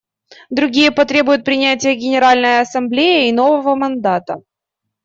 Другие потребуют принятия Генеральной Ассамблеей нового мандата.